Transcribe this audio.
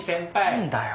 何だよ。